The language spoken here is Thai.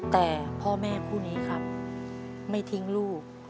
แต่พ่อแม่คู่นี้ครับไม่ทิ้งลูก